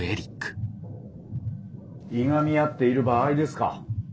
「いがみ合っている場合ですか？」。